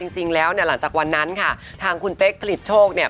จริงแล้วเนี่ยหลังจากวันนั้นค่ะทางคุณเป๊กผลิตโชคเนี่ย